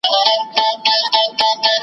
تش له بګړیو له قلمه دی، بېدیا کلی دی .